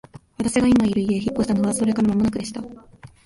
私が今居る家へ引っ越したのはそれから間もなくでした。